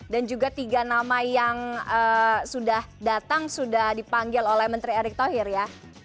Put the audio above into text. dan juga tiga nama yang sudah datang sudah dipanggil oleh menteri erick thohir ya